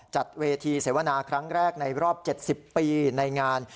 จัดเวทีเสวนาครั้งแรกในรอบ๗๐ปีในงาน